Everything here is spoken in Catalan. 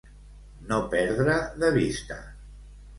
No perdre de vista.